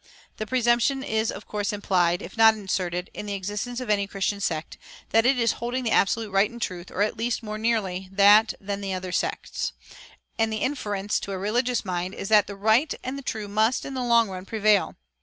The presumption is of course implied, if not asserted, in the existence of any Christian sect, that it is holding the absolute right and truth, or at least more nearly that than other sects; and the inference, to a religious mind, is that the right and true must, in the long run, prevail.